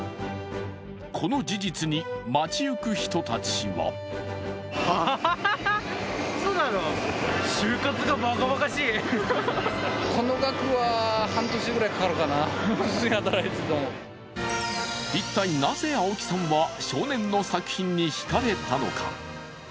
この事実に街行く人たちは一体なぜアオキさんは少年の作品にひかれたのか。